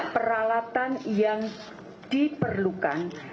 peralatan yang diperlukan